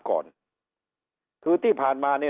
ก่อนคือที่ผ่านมาเนี่ย